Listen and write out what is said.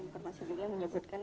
garis bingung menyebutkan